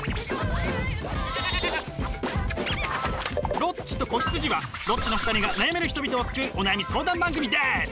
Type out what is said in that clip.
「ロッチと子羊」はロッチの２人が悩める人々を救うお悩み相談番組です！